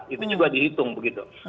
itu juga dihitung begitu